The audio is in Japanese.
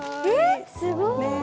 すごい。